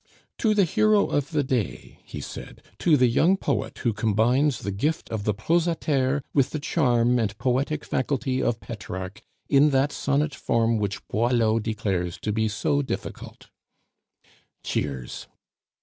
"To the hero of the day," he said, "to the young poet who combines the gift of the prosateur with the charm and poetic faculty of Petrarch in that sonnet form which Boileau declares to be so difficult." Cheers.